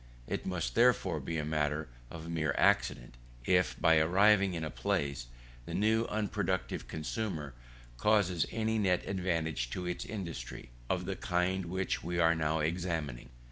It must, therefore, be a matter of mere accident, if by arriving in a place, the new unproductive consumer causes any net advantage to its industry, of the kind which we are now examining.